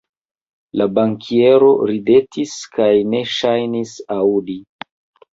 La bankiero ridetis kaj ne ŝajnis aŭdi.